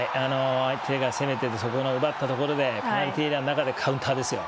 相手が攻めているその奪ったところでペナルティーエリアの中でカウンターですよ。